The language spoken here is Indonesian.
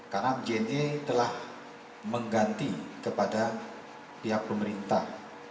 karena jne telah mengganti kepada pihak pemerintah